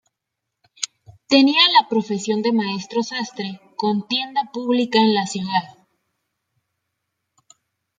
Tenía la profesión de maestro sastre con tienda pública en la ciudad.